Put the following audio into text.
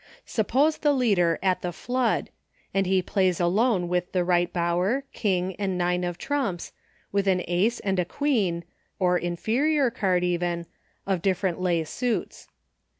Suppose the dealer " at the flood, " and he Plays Alone with the Eight Bower, King and nine of trumps, with an Ace, and a Queen — or inferior card even — of different lay 52 EUCHRE. suits.